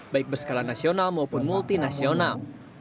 baik berskala nasional maupun multinasional